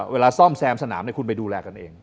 ซ่อมแซมสนามคุณไปดูแลกันเอง